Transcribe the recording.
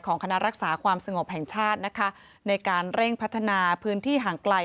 คณะรักษาความสงบแห่งชาตินะคะในการเร่งพัฒนาพื้นที่ห่างไกล